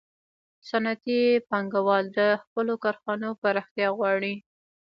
صنعتي پانګوال د خپلو کارخانو پراختیا غواړي